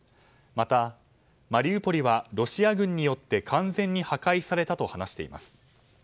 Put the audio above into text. また、マリウポリはロシア軍によって完全に破壊されたと話しています。